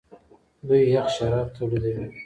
دوی یخ شراب تولیدوي.